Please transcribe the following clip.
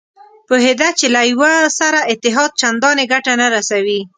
پوهېده چې له یوه سره اتحاد چندانې ګټه نه رسوي.